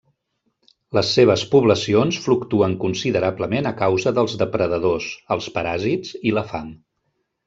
Les seves poblacions fluctuen considerablement a causa dels depredadors, els paràsits i la fam.